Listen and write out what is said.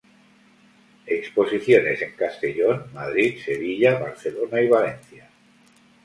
Exposiciones en Castellón, Madrid, Sevilla, Barcelona y Valencia.